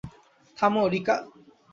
থামো, রিকা!